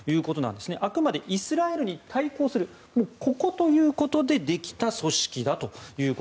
あくまでイスラエルに対抗するということでできた組織だと。